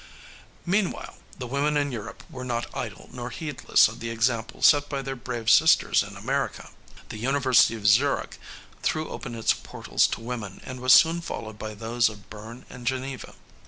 " Meanwhile, the women in Europe were not idle nor heedless of the example set by their brave sisters in America. The University of Zurich threw open its portals to women, and was soon followed by those of Bern and Geneva.